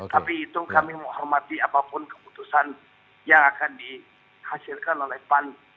tapi itu kami menghormati apapun keputusan yang akan dihasilkan oleh pan